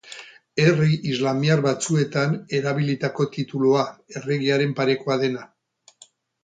Herri islamiar batzuetan erabilitako titulua, erregearen parekoa dena.